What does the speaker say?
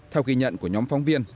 theo ghi nhận của nhóm phóng viên